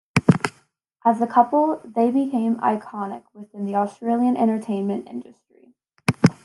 As a couple, they became iconic within the Australian entertainment industry.